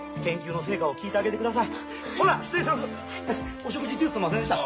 お食事中すんませんでした。